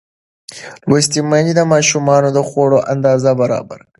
لوستې میندې د ماشومانو د خوړو اندازه برابره کوي.